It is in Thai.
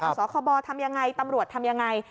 สคบทำยังไงตำรวจทำยังไง